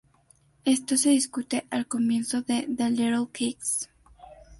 Esto se discute al comienzo de "The Little Kicks".